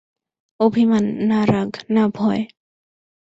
অভিমান, না রাগ, না ভয়?